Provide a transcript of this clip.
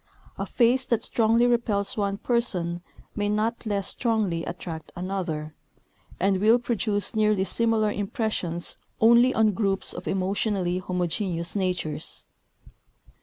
A face that strongly repels one person may not less strongly attract another, and will produce nearly similar impressions only on groups of emotionally homogeneous natures.